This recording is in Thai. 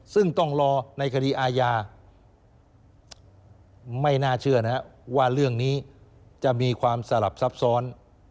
ซึ่งต้องรอในคดีอาญาไม่น่าเชื่อนะครับว่าเรื่องนี้จะมีความสลับซับซ้อน